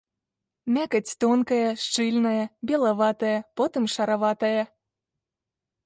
Мякаць тонкая, шчыльная, белаватая, потым шараватая.